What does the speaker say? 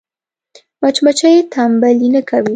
مچمچۍ تنبلي نه کوي